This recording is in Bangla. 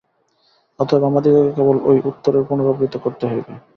অতএব আমাদিগকে কেবল ঐ উত্তরের পুনরাবৃত্তি করিতে হইবে।